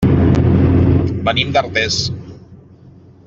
Venim d'Artés.